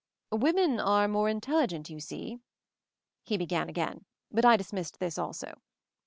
"Women are more intelligent, you see," he began again; but I dismissed this also.